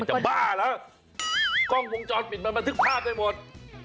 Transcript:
บ้าแล้วกล้องวงจรปิดมันบันทึกภาพได้หมด